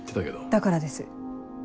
だからです。